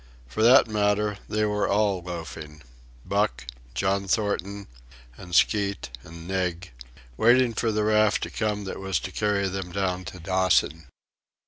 For that matter, they were all loafing,—Buck, John Thornton, and Skeet and Nig,—waiting for the raft to come that was to carry them down to Dawson.